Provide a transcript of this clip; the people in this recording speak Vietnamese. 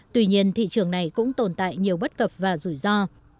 tuy nhiên thị trường này cũng tồn tại nhiều bất cập và rủi ro